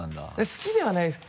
「好き」ではないですけど。